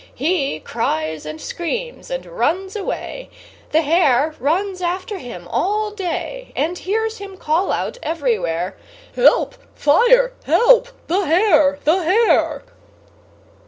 He cries and screams and runs away; The hare runs after him all day And hears him call out everywhere: "Help! Fire! Help! The Hare! The Hare!"